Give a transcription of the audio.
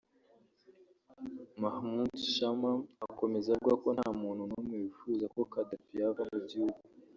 Mahmoud Shammam akomeza avuga ko nta muntu n’umwe wifuza ko Kadhafi yava mu gihugu